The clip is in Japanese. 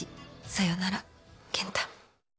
さようなら、健太。